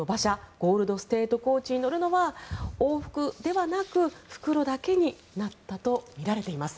ゴールド・ステート・コーチに乗るのは往復ではなく復路だけになったとみられています。